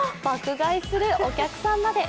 買いするお客さんまで。